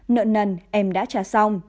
nợn nần em đã trả xong